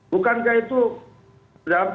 bukankah itu dalam tanda kutip cukup